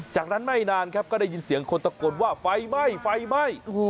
จากนั้นไม่นานครับก็ได้ยินเสียงคนตะโกนว่าไฟไหม้ไฟไหม้